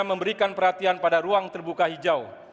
memberikan perhatian pada ruang terbuka hijau